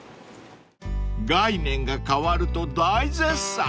［概念が変わると大絶賛］